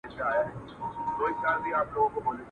چا له وهمه ورته سپوڼ نه سو وهلای.